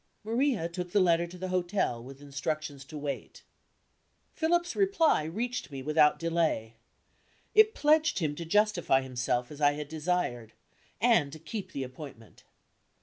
Maria took the letter to the hotel, with instructions to wait. Philip's reply reached me without delay. It pledged him to justify himself as I had desired, and to keep the appointment.